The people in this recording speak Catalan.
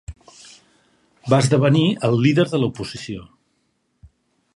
Va esdevenir el líder de l'oposició.